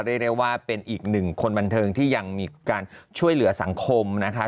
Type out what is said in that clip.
เรียกได้ว่าเป็นอีกหนึ่งคนบันเทิงที่ยังมีการช่วยเหลือสังคมนะคะ